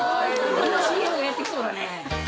海苔のＣＭがやって来そうだね。